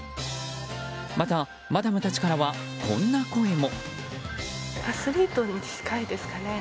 また、マダムたちからはこんな声も。